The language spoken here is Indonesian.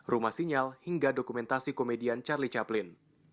rumah sinyal hingga dokumentasi komedian charlie chaplin